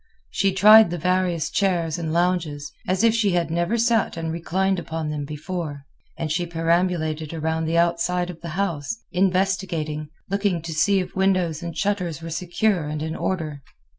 She tried the various chairs and lounges, as if she had never sat and reclined upon them before. And she perambulated around the outside of the house, investigating, looking to see if windows and shutters were secure and in order.